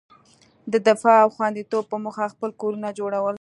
د دفاع او خوندیتوب په موخه خپل کورونه جوړول.